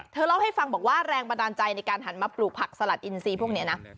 เล่าให้ฟังบอกว่าแรงบันดาลใจในการหันมาปลูกผักสลัดอินซีพวกนี้นะ